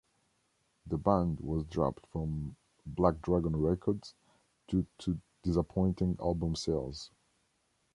The band was dropped from Black Dragon Records due to disappointing album sales.